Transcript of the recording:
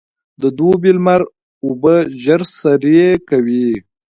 د دوبي لمر اوبه ژر سرې کوي.